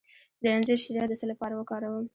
د انځر شیره د څه لپاره وکاروم؟